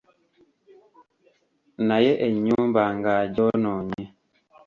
Naye ennyumba ng'agyonoonye!